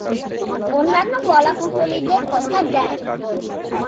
অন্যান্য কলাকুশলীদের কথা যায়নি।